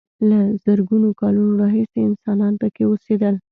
له زرګونو کالونو راهیسې انسانان پکې اوسېدل.